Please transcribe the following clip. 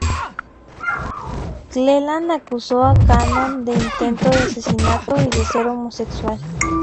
Cleland acusó a Cannon de intento de asesinato y de ser homosexual.